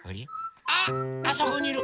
あっあそこにいる！